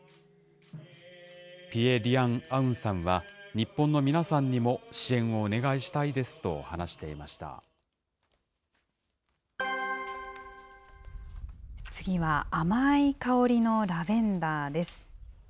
ピエ・リアン・アウンさんは、日本の皆さんにも支援をお願いした次は、甘い香りのラベンダーです。